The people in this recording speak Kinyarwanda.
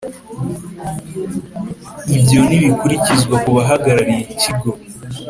Ibyo ntibikurikizwa ku bahagarariye ikigo